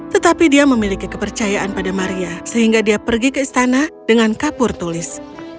tetapi dia memiliki kepercayaan pada maria sehingga dia pergi ke istana dengan kapur tulis